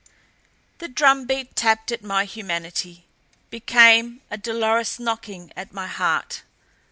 The drum beat tapped at my humanity, became a dolorous knocking at my heart.